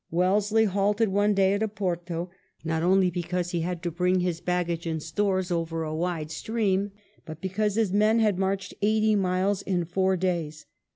Wellesley halted one day at Oporto, not only, because he had to bring his 114 * WELLINGTON baggage and stores over a wide stream, but because his men had marched eighty miles in four days.